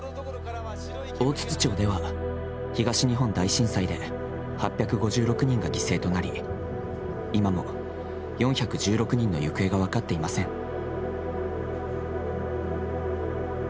大槌町では東日本大震災で８６６人が犠牲となり今も４１６人の行方が分かっていません。